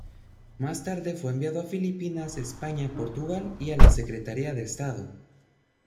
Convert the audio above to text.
Más tarde fue enviado a Filipinas, España, Portugal y a la Secretaría de Estado.